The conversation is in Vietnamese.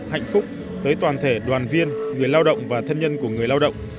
hạnh phúc tới toàn thể đoàn viên người lao động và thân nhân của người lao động